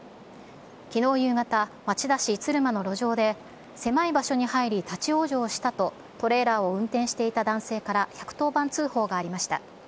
きのう夕方、町田市鶴間の路上で、狭い場所に入り立往生したと、トレーラーを運転していた男性から１１０番通報がありました。